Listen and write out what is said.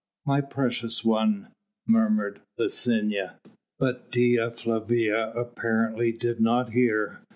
"My precious one," murmured Licinia. But Dea Flavia apparently did not hear.